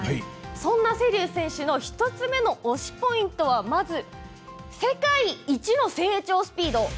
そんな瀬立選手の１つ目の推しポイントはまず、世界一の成長スピード。